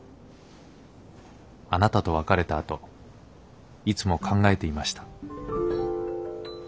あなたと別れたあといつも考えていました。